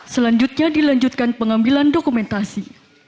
selanjutnya dilanjutkan pengambilan dokumentasi